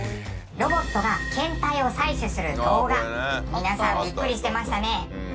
ロボットが検体を採取する動画皆さんビックリしてましたね。